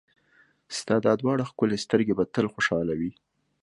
ستا دا دواړه ښکلې سترګې به تل خوشحاله وي.